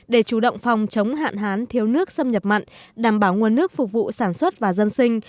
để chủ động phòng chống hạn hán thiếu nước xâm nhập mặn đảm bảo nguồn nước phục vụ sản xuất và dân sinh